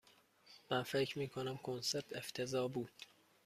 من فکر می کنم کنسرت افتضاح بود.